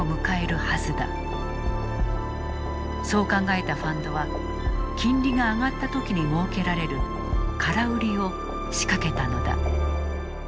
そう考えたファンドは金利が上がった時にもうけられる空売りを仕掛けたのだ。